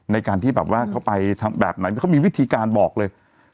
ในการที่แบบว่าเขาไปแบบไหนเขามีวิธีการบอกเลย